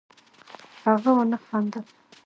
هغه ونه خندل